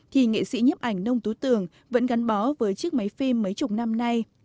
thì nghệ sĩ nhấp ảnh nông tú tường vẫn gắn bó với chiếc máy phim mấy chục năm nay